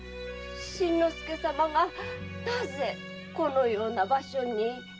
新之助様がなぜこのような場所に？